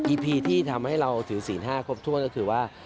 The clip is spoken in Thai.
พีที่ทำให้เราถือศีล๕ครบถ้วนก็คือว่า